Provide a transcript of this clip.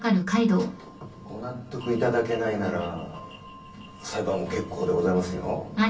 ご納得いただけないなら裁判も結構でございますよ。